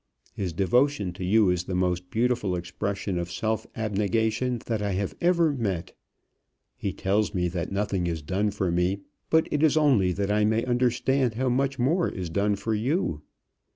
His devotion to you is the most beautiful expression of self abnegation that I have ever met. He tells me that nothing is done for me; but it is only that I may understand how much more is done for you.